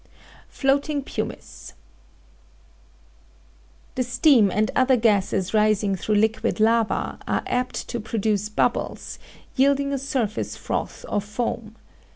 FLOATING PUMICE The steam and other gases rising through liquid lava are apt to produce bubbles, yielding a surface froth or foam.